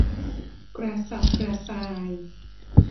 กระสับกระส่าย